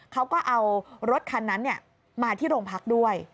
เขาก็เอารถคันนั้นมาที่โรงพักด้วย